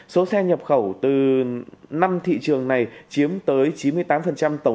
số xe nhập khẩu từ năm thị trường này chiếm tới chín mươi tám tổng